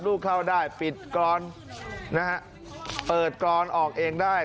ลูกเข้าได้ปิดกรอนนะฮะเปิดกรอนออกเองได้